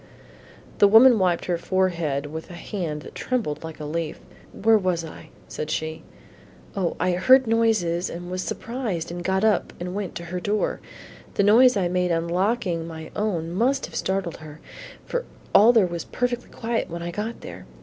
The woman wiped her forehead with a hand that trembled like a leaf. "Where was I?" said she. "O, I heard voices and was surprised and got up and went to her door. The noise I made unlocking my own must have startled her, for all was perfectly quiet when I got there.